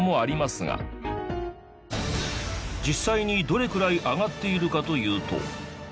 実際にどれくらい上がっているかというと。